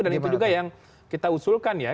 dan itu juga yang kita usulkan ya